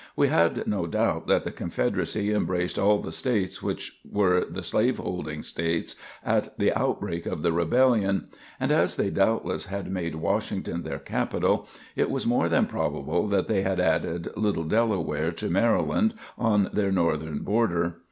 We had no doubt that the Confederacy embraced all the States which were slaveholding States at the outbreak of the Rebellion; and as they doubtless had made Washington their capital, it was more than probable that they had added little Delaware to Maryland on their northern border.